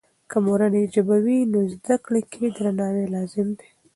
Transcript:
که مورنۍ ژبه وي، نو زده کړې کې درناوی لازم دی.